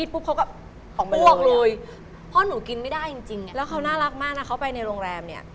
พ่อหนูกินไม่ได้จริงแล้วเขาน่ารักมากนะเขาไปในโรงแรมเนี่ย